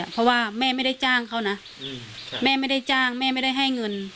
เพราะว่าแม่ไม่ได้จ้างเขานะแม่ไม่ได้จ้างแม่ไม่ได้ให้เงิน